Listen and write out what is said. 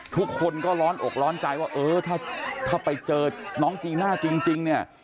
ทุกคนก็ร้อนอกร้อนใจว่าเออถ้าไปเจอน้องจีน่าจริงเนี่ย